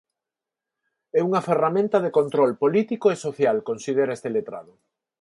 "É unha ferramenta de control político e social", considera este letrado.